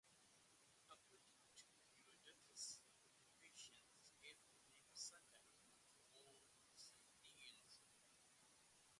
According to Herodotus, the Persians gave the name "Saka" to all Scythians.